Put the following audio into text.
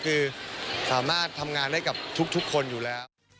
คือสามารถทำงานได้กับทุกคนอยู่แล้ว